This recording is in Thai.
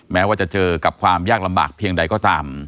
แม้ว่าจะเจอกับความยากลำบากเพียงใดก็ตาม